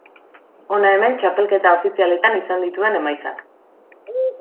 Hona hemen txapelketa ofizialetan izan dituen emaitzak.